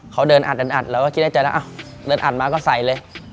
เขาเดินอันอันอันอันแล้วก็คิดใจใจนะอ๊ะเดินอันมาก็ใส่เลย